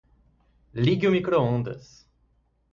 Ligue o microondas